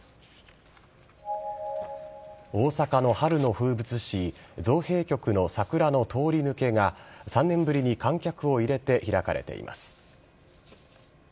大阪の春の風物詩造幣局の桜の通り抜けが３年ぶりに観客を入れて開かれています。